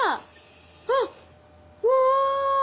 あっうわ！